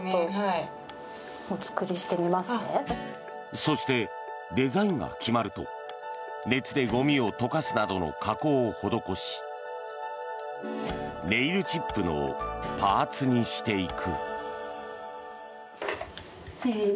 そして、デザインが決まると熱でゴミを溶かすなどの加工を施しネイルチップのパーツにしていく。